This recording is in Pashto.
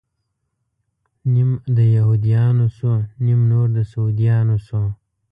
نيم د يهود يانو شو، نيم نور د سعوديانو شو